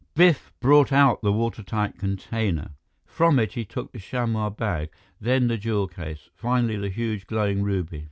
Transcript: Biff brought out the watertight container. From it, he took the chamois bag, then the jewel case, finally, the huge, glowing ruby.